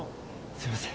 すいません。